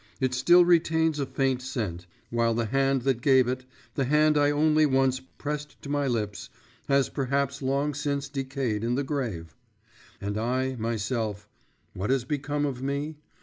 It still retains a faint scent, while the hand that gave it, the hand I only once pressed to my lips, has perhaps long since decayed in the grave.… And I myself, what has become of me?